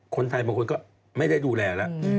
คนไทยบางคนก็ไม่ได้ดูแลแล้ว